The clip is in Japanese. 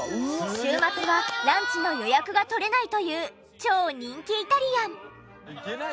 週末はランチの予約が取れないという超人気イタリアン。